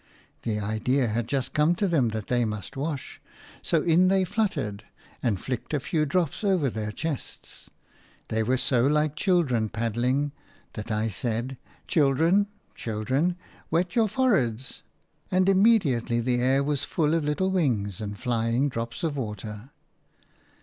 The idea had just come to them that they must wash; so in they fluttered, and flicked a few drops over their chests. They were so like children paddling, that I said, "Children, children, wet your foreheads!" – and immediately the air was full of little wings and flying drops of water.